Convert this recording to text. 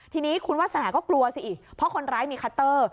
ทีนี้คุณวาสนาก็กลัวสิเพราะคนร้ายมีคัตเตอร์